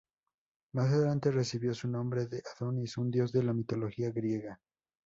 Más adelante recibió su nombre de Adonis, un dios de la mitología griega.